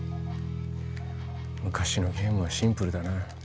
昔のゲームはシンプルだな